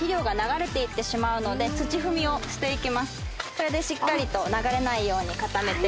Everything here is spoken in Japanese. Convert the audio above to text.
それでしっかりと流れないように固めていきます。